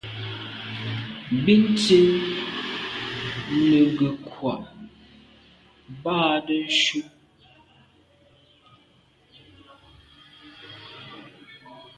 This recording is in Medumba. Bín tsín nə̀ ngə́ kwâ’ mbâdə́ cú.